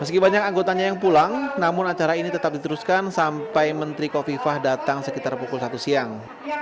meski banyak anggotanya yang pulang namun acara ini tetap diteruskan sampai menteri kofifah datang sekitar pukul satu siang